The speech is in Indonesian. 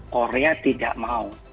korea tidak mau